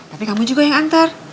tapi kamu juga yang antar